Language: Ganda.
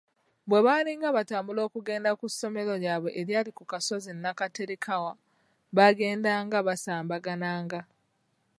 Bwe baalinga batambula okugenda ku ssomero lyabwe eryali ku kasozi Nnaakaterekawa, baagedanga basambagana nga